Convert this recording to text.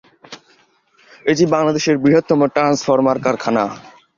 এটি বাংলাদেশের বৃহত্তম ট্রান্সফর্মার কারখানা।